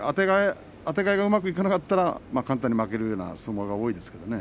あてがいがうまくいかなかったら簡単に負けるような相撲が多いですね。